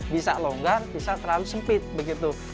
bisa longgar bisa terlalu sempit begitu